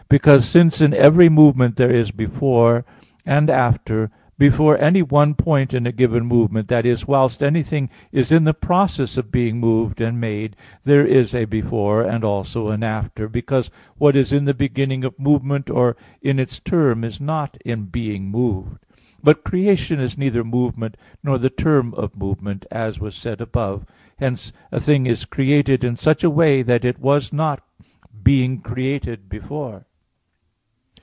Because, since in every movement there is "before" and "after," before any one point in a given movement that is, whilst anything is in the process of being moved and made, there is a "before" and also an "after," because what is in the beginning of movement or in its term is not in "being moved." But creation is neither movement nor the term of movement, as was said above (Q. 45, AA. 2, 3). Hence a thing is created in such a way that it was not being created before.